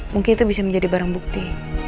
mungkin itu bisa menjadi barang bukti